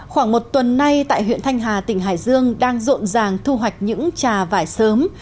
khoảng một tuần nay tại huyện thanh hà tỉnh hải dương đang rộn ràng thu hoạch những trà vải sớm